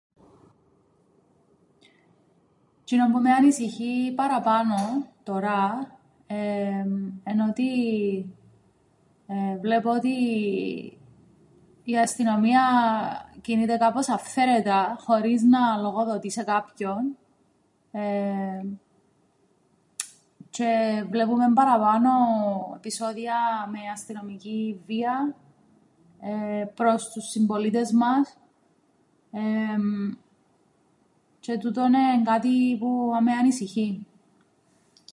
Τζ̆είνον που με ανησυχεί παραπάνω τωρά, εμ, εν' ότι βλέπω ότι η αστυνομία κινείται κάπως αυθαίρετα χωρίς να λογοδοτεί σε κάποιον τζ̆αι βλέπουμεν παραπάνω επεισόδια με αστυνομικήν βίαν προς τους συμπολίτες μας τζ̆αι τούτον εν' κάτι που με ανησυχεί